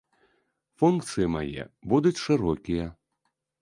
Функцыі мае будуць шырокія.